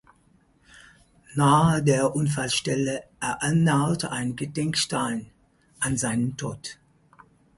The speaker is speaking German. Nahe der Unfallstelle erinnert ein Gedenkstein an seinen Tod.